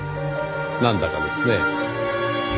なんだかですね。